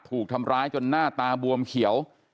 ถูกทำร้ายจนหน้าตาบวมเขียว